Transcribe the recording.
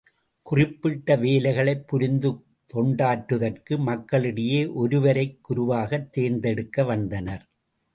குறிப்பிட்ட வேலைகளைப் புரிந்து தொண்டாற்றுதற்கு மக்களிடையே, ஒருவரைக் குருவாகத் தேர்ந்தெடுத்து வந்தனர்.